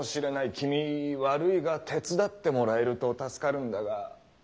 君悪いが手伝ってもらえると助かるんだが。